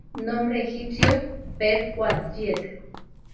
Nombre egipcio: Per-Uadyet.